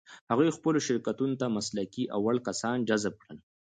هغوی خپلو شرکتونو ته مسلکي او وړ کسان جذب کړل.